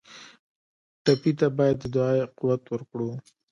ټپي ته باید د دعا قوت ورکړو.